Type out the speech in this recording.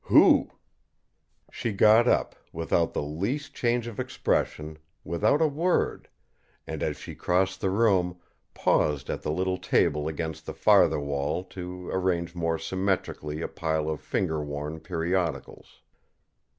"Who?" She got up, without the least change of expression, without a word, and, as she crossed the room, paused at the little table against the farther wall to arrange more symmetrically a pile of finger worn periodicals.